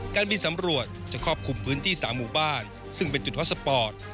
การบินสำรวจจะครอบคลุมพื้นที่๓หมู่บ้านซึ่งเป็นจุดฮอตสปอร์ต